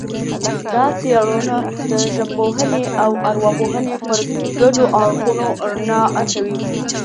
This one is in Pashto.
دا څېړنه د ژبپوهنې او ارواپوهنې پر ګډو اړخونو رڼا اچوي